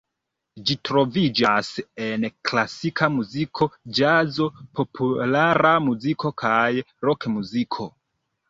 Ĝi troviĝas en klasika muziko, ĵazo, populara muziko kaj rokmuziko.